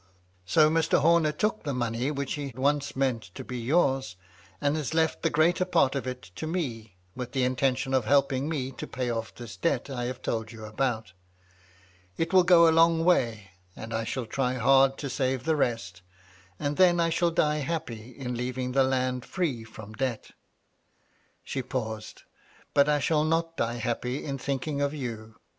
"So Mr. Homer took the money which he once meant to be yours, and has left the greater part of it to me, with the intention of helping me to pay off this debt I have told you about It will go a long way, and I shall try hard to save the rest, and then I shall die happy in leaving the land free from debt." She paused. " But I shall not die happy in thinking of you.